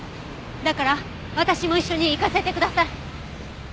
だから私も一緒に行かせてください。